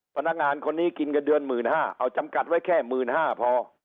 พนักงานคนนี้กินเงินเดือน๑๕๐๐เอาจำกัดไว้แค่๑๕๐๐พอ